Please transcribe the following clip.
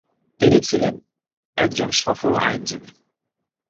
তিনি ছিলেন একজন সফল আইনজীবী।